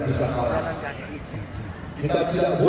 kalau kita kalah